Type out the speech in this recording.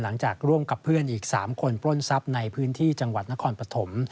หลังจากร่วมกับเพื่อนอีก๓คนปล้นทรัพย์ในพื้นที่จังหวัดนครปฐม